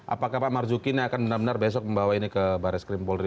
apakah pak marzuki ini akan benar benar besok membawa ini ke baris krim polri